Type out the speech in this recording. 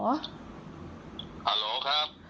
ฮัลโหลครับ